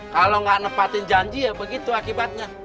kalau gak nempatin janji ya begitu akibatnya